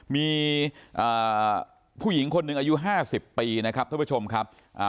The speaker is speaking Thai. มีผู้หญิงคนหนึ่งอายุ๕๐ปีท่านประชมครับ